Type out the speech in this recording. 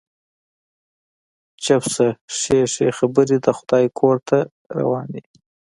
چپ شه، ښې ښې خبرې د خدای کور ته روانه يې.